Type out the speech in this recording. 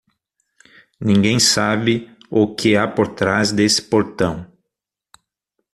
Ninguém sabe o que há por trás desse portão.